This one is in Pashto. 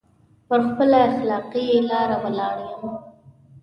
پر خپله اختلافي لاره ولاړ يم.